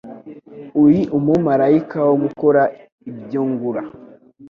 uri umumarayika wo gukora ibyo ngura.